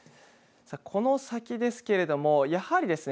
この先ですけれどもやはりですね